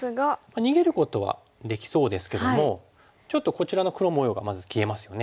逃げることはできそうですけどもちょっとこちらの黒模様がまず消えますよね。